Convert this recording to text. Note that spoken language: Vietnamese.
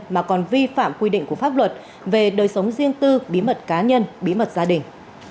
mà còn vi phạm quy định của pháp luật về đời sống riêng tư bí mật cá nhân bí mật gia đình